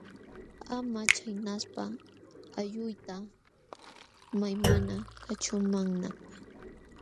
Ama chaynaspa allquyta maqay mana kaćhumaananpaq.